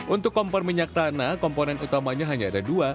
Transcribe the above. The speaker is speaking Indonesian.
untuk kompor minyak tanah komponen utamanya hanya ada dua